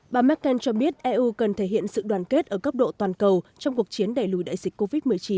bà merkel cho biết eu cần thể hiện sự đoàn kết ở cấp độ toàn cầu trong cuộc chiến đẩy lùi đại dịch covid một mươi chín